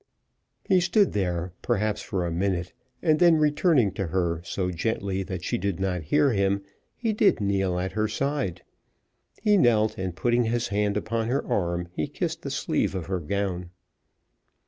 He stood there perhaps for a minute, and then returning to her, so gently that she did not hear him, he did kneel at her side. He knelt, and putting his hand upon her arm, he kissed the sleeve of her gown.